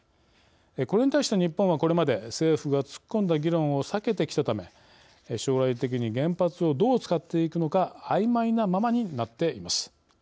これに対して日本はこれまで政府が突っ込んだ議論を避けてきたため将来的に原発をどう使っていくのかあいまいなままになっています。